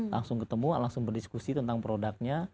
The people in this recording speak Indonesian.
langsung ketemu langsung berdiskusi tentang produknya